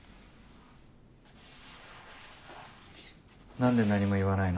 何で何も言わないの？